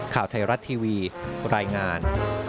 โปรดติดตามตอนต่อไป